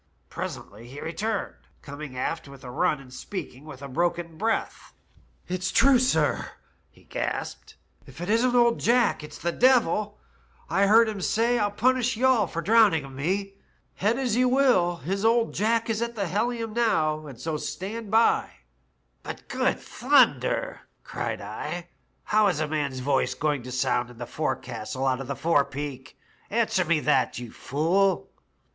Pre sently he returned, coming aft with a run and speaking with a broken breath. "* It's true, sir,' he gasped, ' if it isn't old Jack, it's the devil. I heard him say, " TU punish all of ye for drowning of me. Head as you wiU, His old Jack as is at the helium now, and so stand by/" * "'But, good thunder!* cried I, *how is a man's voice going to sound in the forecastle out of the forepeak? Answer me that, you fool.'